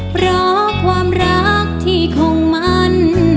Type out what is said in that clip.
เพราะความรักที่คงมัน